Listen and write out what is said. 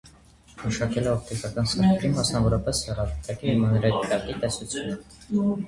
Մշակել է օպտիկական սարքերի, մասնավորապես, հեռադիտակի և մանրադիտակի տեսությունը։